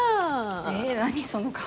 え何その顔。